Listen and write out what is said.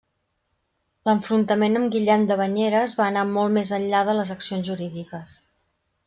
L'enfrontament amb Guillem de Banyeres va anar molt més enllà de les accions jurídiques.